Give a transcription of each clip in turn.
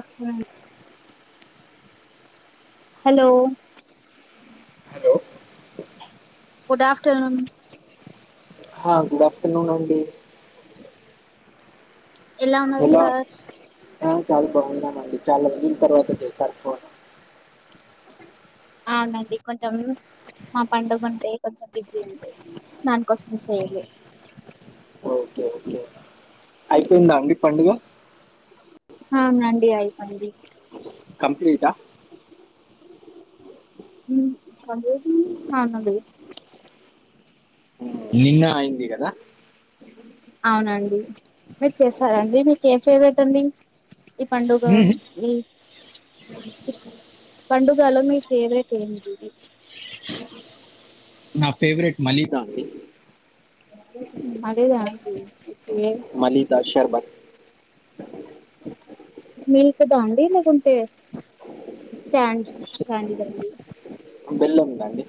ఆచ్ మ్ hello hello good afternoon హా good afternoon అండీ ఎలా ఉన్నారు సార్ ఆ చాలా బాగున్నామండి చాలా రోజుల తర్వాత చేశారు ఫోను అవునండి కొంచం మా పండుగ ఉంటే కొంచం బిజ్జీ ఉండే దానికోసం చేయలే ఒకే అయిపోయిందా అండీ పండుగ హవునండి అయిపోయింది కంప్లీటా మ్ [unintelligible] నిన్న ఐంది కదా అవునండి మీరు చేసారాండి మీకు ఏం ఫేవరెట్ అండి ఈ పండుగా ఇ పండుగలో మీ ఫేవరెట్ ఏంటిది నా ఫేవరెట్ మలిదా అండి మలిదా ఆండి మలిదా శర్బత్ మీల్క్ దా అండి లేకుంటే క్యామ్స్ క్యాందాండి బెల్లాం దండి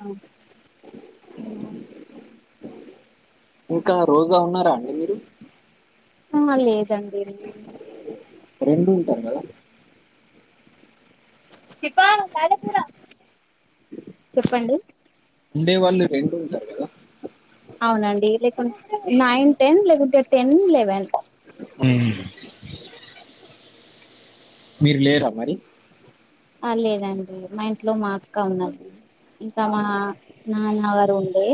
ఆ ఇంకా రోజా ఉన్నారా అండి మీరు ఆ లేదండి రెండు ఉంటారు కదా ఇప్ప అద పూరా చెప్పండి ఉండే వాళ్ళు రెంూ ఉంటారు కదా అవునండి లేకుంటే నైన్ టెన్ లేకుంటే టెన్ లెవెన్ మీరు లేరా మరి ఆ లేదండి మా ఇంట్లో మా అక్క ఉన్నది ఇంకా మా నాన్నగారు ఉండే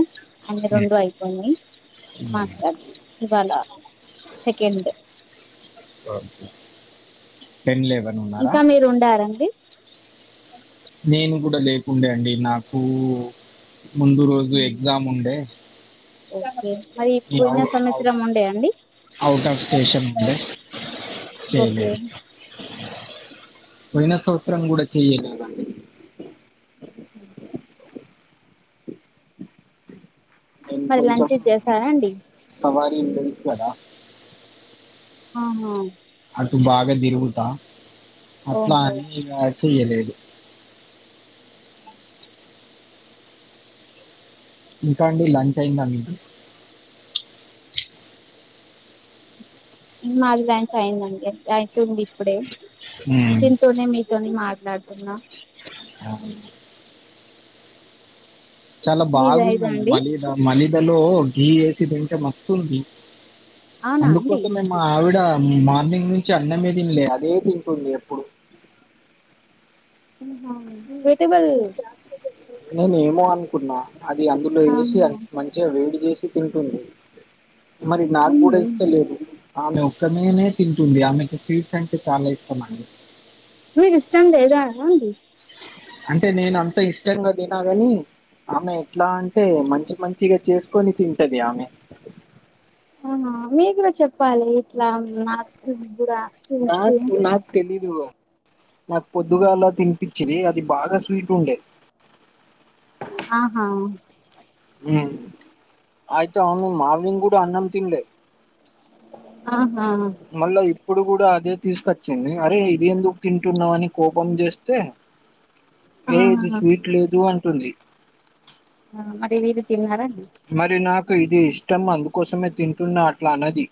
అయినాయి రెండు అయిపోయినయి మా అక్కది ఇవాళ సెకండ్ టెన్ లెవెన్ ఉన్నారా ఇంకా మీరు ఉండారండి నేను కూడా లేకుండే అండి నాకు ముందు రోజు ఎగ్జామ్ ఉండే ఓకే మరి పోయిన అవుట్ సవత్సరం ఉండే అండి లెద్ ఓకే లెద్ పోయినా సంవత్సరం కూడా చెయ్యలేదండి ఉ మరి లంచ్ చేసారా అండి తవరి ఇంటుంట్ వాలా ఆహా అటు బాగా తిరుగుతా అట్లా ఓహో అని ఇగ చేయలేదు ఇంకా అండి లంచ్ అయిందా మీకు ఇన్ మాది లంచ్ అయిందండి అయితుంది ఇప్పుడే మ్మ్. తింటూనే మీతోని మాట్ లాడుతున్న చాలా మీది అయిందా బాగుందండి అండి మలిద మలిదలో గీ యేసి తింటే మస్తుంది. అవునా అండి అందుకోసమే మా ఆవిడ ఉమ్ మార్నింగ్ నుంచి అన్నమే తినలే అదే తింటుంది ఎప్పుడు. వెజిటబుల్ నేను ఏమో అనుకున్నా అది అందులో వేసి మంచిగా వేడి చేస్ తింటుంది మరి నాకు కూడా ఇస్తాలేదు ఆమె ఇక్కనేనే తింటుంది ఆమెకు స్వీట్స్ అంటే చాలా ఇష్టమండి. మీకు ఇష్టం లేదా అండి అంటే నేను అంత ఇష్టంగా తినగాని ఆమె ఎట్లా అంటే మంచి మంచిగా చేసుకొని తింటది ఆమె. అవునా మీ కూడా చెప్పాలి ఇట్లా నాకు కూడా తెలుసు నాక్ నాకు తెలిద్ ఇగో నాకు పొద్దుగాల్ల తినిపిచిది అది బాగా స్వీట్ ఉండే ఆహా ఉ అయితే ఆమె మార్వింగ్ కూడా అన్నం తిన్లే ఆహా ఇప్పుడు కూడా అదే తీసుకొచ్చింది అరే ఇది ఎందుకు తింటున్నావ్ అని కోపం చేస్తే యే ఇది ఆహా స్వీట్ లేదు అంటుంది ఆ మరి మీరు తిన్నారా మరి నాకు ఇది ఇష్టం అందుకోసమే తింటున్న అట్లా అనది.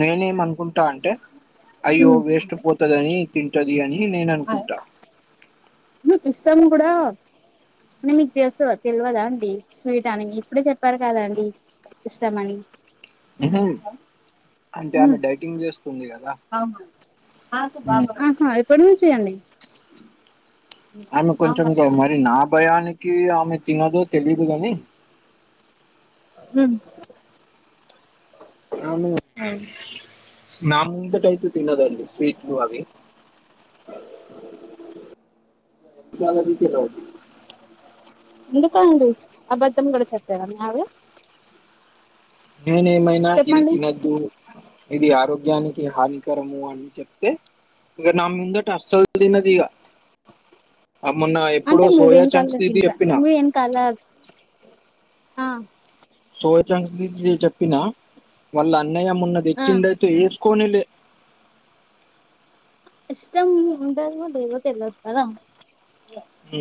నినేమ్ అనుకుంటా అంటే అయ్యో వేస్ట్ పోతదని తింటది అని నేననుకుంట కుడా నేన్ మీకు చేస్తావ తెవదా అండి స్వీట్ అని ఇప్పుడే చెప్పారు కదా అండి. ఇష్టమని వినదు అంటే ఆమె డైటింగ్ చేస్త్ అవునా అసు ఉమ్. బాబా ఆహా ఎప్పటి నుంచియండి ఆమెకు కొంచమే కాదు మరి నా భయానికి ఆమె తినదో తెలిదుగాని ఉ అవును ఉ నా ముందుట అయితే తినదండి స్వీట్లు అవి మనిపిటిలో అయిద్ది ఎందుకు అండి అపద్దం కూడా చెప్పారా మీ ఆవిడా నేను ఏమైనా ఇది చెప్పండి తినద్దు ఇది ఆరోగ్యానికి హానికరము అని చెప్తే ఇగ నా ముందట అసల్ తినదిగా అ మొన్న ఎప్పుడు అంటే మీ సోయా చంక్స్ వెనకాల ఇది తింటా చెప్పినా మీ వెనకాల ఆ సోయచంకస్ బీన్స్ ని నేన్ చెప్పినా వాళ్ళ అన్నయ్య మొన్న ఆ తెచ్చిండయితే ఏస్ కొనీలే ఇష్టము ఉండదో తెలవదు కదా. ఊ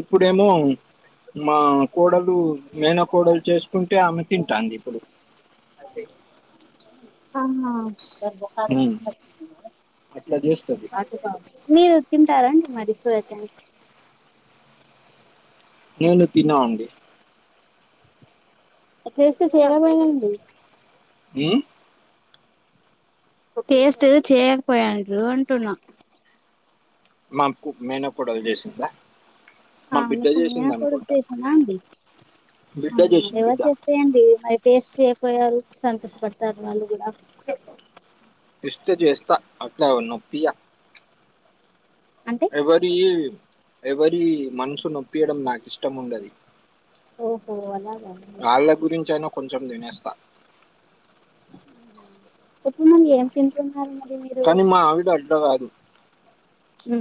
ఇప్పుడేమో మా కోడల్ ఇప్పుడు మేనకోడలు చేసుకుంటే ఆమె తింటాంది ఇప్పుడు అవునా అట్లా జేస్తది. మీరు తింటా మరి సోయ చంక్స్ నేను తినా అండి అట్లీస్ట్ చేయడమేనండి ఊ ఒకేస్ట్ చేయకపోయాండ్రు అంటున్నా మకు మేన కోడల్ చేసిందా మీకు మేనా కోడల్ చేసిందా అండి ఆ బిడ్డ జేసింది ఎవరు బిడ్డ. చేస్తె ఏంటి మరి టేస్ట్ చేయపోయారు సంతోష పడతారు వాళ్ళు కూడా టెస్ట్ చేస్తా అట్ల నొప్పియా అంటే ఎవరీ ఎవరి మనసు నొప్పియడం నాకు ఇష్టం ఉండది ఓహో అలాగ అండి గురించైనా కొంచెం తినేస్తా ఇప్పుడు నువు ఏం తింటుంది కనీ మా ఆవిడ అడ్డ కాదు ఉ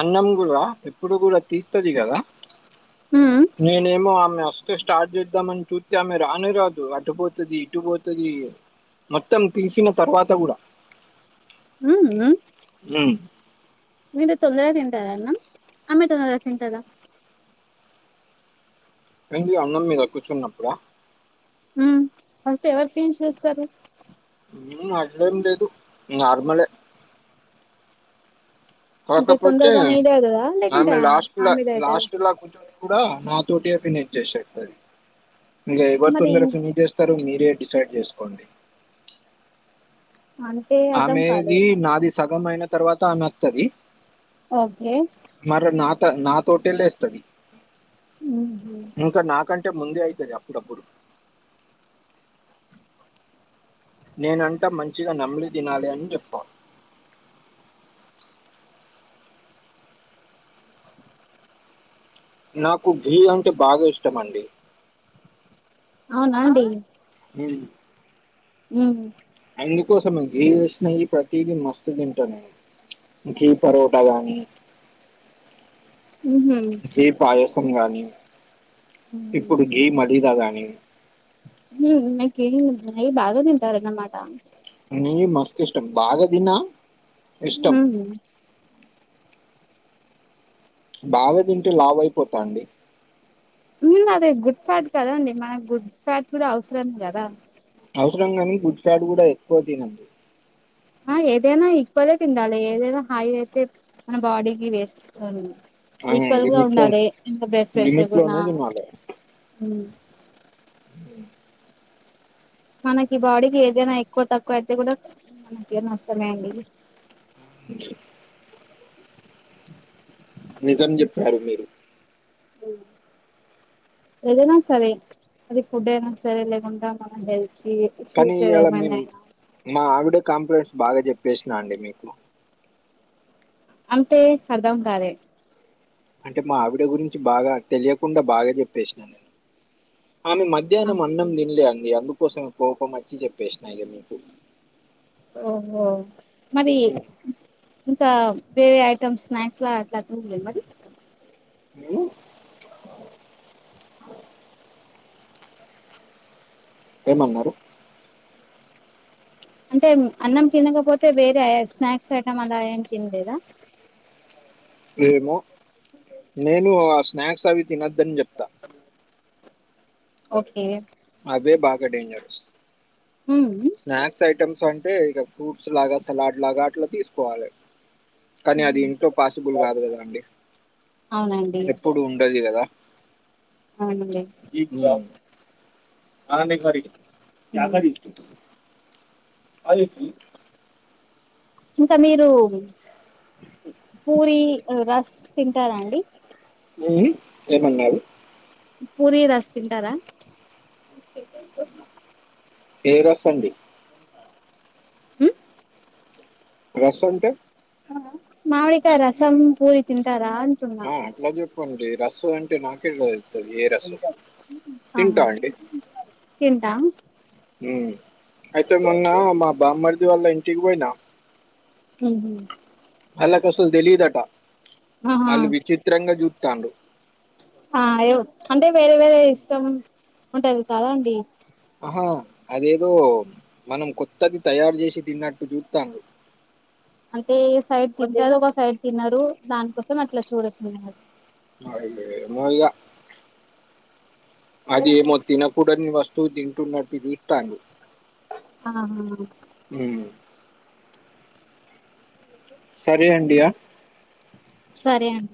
అన్నం కూడా ఎప్పుడు కూడా తీస్తది కదా ఉమ్ నేనేమో ఆమె అస్తే స్టార్ట్ చేద్దామని చూతే ఆమె రాని రాదు అటు పోతది ఇటు పోతది మొత్తం తీసిన తర్వాత కూడా ఊ ఊ ఉ మీరు తొందరగా తింటారా అన్నం ఆమె తొందర తింటద ఏంది అన్నం మీద కూర్చున్నప్పుడ ఆ ఫస్ట్ ఎవరు ఫినిష్ చేస్తారు ఊ అట్లేమ్ లేదు నార్మలే అంటే కాకపోతే తొందరగా మీదే అవుతదా లేకుంటే ఆమె లాస్ట్ ఆ లా మీదే అవుతదా లాస్ట్ లా కూర్చోని కూడా నాతోటిగా ఫినిష్ చేసేతది ఇక ఎవరు మరి తొందర ఫినిష్ చేస్తారో మీరు ఇగ డిసైడ్ చేసుకోండి అంటే అర్ధం ఆమెది కాలే నాది సగం అయిన తర్వాత ఆమె అత్తది ఓకే ట నాతోటే లేస్తది ఉహు ఇంకా నా కం టే ముందే అయితది అప్పుడుప్పుడు నేనంటా మంచిగా నమ్మిలి తినాలి అని చెప్తా నాకు గిల్ అంటే బాగా ఇష్టమండి అవునా అండి మను ఉమ్ ఎందుకోసం గీ వేసినేయి ప్రతీదీ మస్తు తింటాను గీ పరోటా కానీ ఉహు గీ పాయసం గాని ఉమ్ ఇప్పుడు గీ మదీద గాని ఉమ్ నాకేం నెయ్యి బాగా తింటారన్నమాట నెయ్యి మస్తు ఇష్టం బాగా తిన్నా హ బాగా తింటే లావ అయిపోతా అండి ఉమ్ అదే గుడ్ ఫ్యాట్ కదండి మనకు గుడ్ ఫ్యాట్ కూడా అవసరం కదా అవసరం గానీ గుడ్ ఫ్యాట్ కూడా ఎక్కువ తనం ఆ ఏదైనా ఈక్వల్ తిండాలి ఏదైనా హాయి అయితే మన బాడీకి వేస్ట్ంది ఈక్వల్గా లిమిట్లో ఉండాలి ఎంత బెడ్ ప్రెషర్ కూడాన్నా లిమిట్లోనే తినాలి అ మనకి బాడీకి ఏదైనా ఎక్కువ తక్కువ అయితే కూడా మనకి నష్టమే అండి నిజం చెప్పారు మీరు అ ఏదైనా సరే అది ఫుడ్ అయినా సరే లేకుండా మన హ కానీ ఇవాళ మేము మా ఆవిడ కంప్లైట్స్ బాగా చెప్పేసినా అండి మీకు అంతే అర్ధం కాలే అంటే మా ఆవిడ గురించి బాగా తెలియకుండా బాగా చెప్పేసినాను నేను ఆమె మధ్యాహ్నం అన్నం తిన్లే అంది అందుకోసమే కోపం వచ్చి చెప్పేసిన ఇక మీకు ఓహో మరి ఉమ్, ఇంకా వేరే ఐటెమ్ స్నాక్స్ అట్లా త ఉలే మరి హ ఏమన్నారు అంటే అన్నం తినకపోతే వేరే స్నాక్స్ ఐటం అలా ఏం తిినలేదా ఏమో నేను ఆ స్నాక్స్ అవి తినద్దని చెప్తా ఓకే అవే బాగా డేంజరస్ ఉమ్ స్నాక్స్ ఐ ఐటమ్స్ అంటే ఇక ఫ్రూట్స్ లాగా సలాడ్ లాగా అట్లా తీసుకోవాలి కానీ అది ఇంట్లో పాసిబుల్ కాదు కదా అండి అవునండి ఎప్పుడు ఉండది కదా అవున్లే ఉమ్, [unintelligible] అననీ మరి [unintelligible] ఇంక మీరు పూరి రస్ తింటారా అండి ఏమీ ఏమన్నారు పూరి రాస్ తింటారా ఏ రాస్ అండి ఉమ్ రస్ అంటే మావిడికాయా రసం పూరి తింటారా అంటున్నా అండి రస్సు అంటే నాకేం తెలుసు ఆహా అండి తింటాం అయితే మొన్న మా బామ్మర్ది వాళ్ళ ఇంటికి పోయినా ఉహు వాళ్ళకు అసలు తెలీయదట ఆహా అళ్ళు విచిత్రంగా చూతండ్లు అయ్ యో అంటే వేరే వేరే ఇష్టం ఉంటది కదా అండి ఆహా అదేదో మనం కొత్తది తయారు చేసి తిన్నట్టు చూతండ్లు అంటే సైడ్ తింటారు ఒక సైడ్ తిన్నారు దానికోసం అట్లా చూడేసిన్నారు అ ఏమో ఇగ అదేమో తినకూడని వస్తువు తింటున్నట్టు చూతన్లు ఆహా సరే అండి ఆ సరే అండి